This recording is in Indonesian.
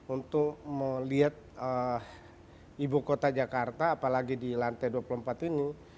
untuk melihat ibu kota jakarta apalagi di lantai dua puluh empat ini